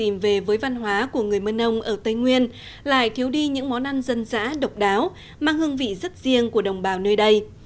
món ăn dân dã độc đáo mang hương vị rất riêng của đồng bào nơi đây